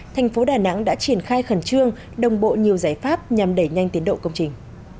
thành phố đà nẵng đã triển khai khẩn trương đồng bộ nhiều giải pháp nhằm đẩy nhanh tiến độ công trình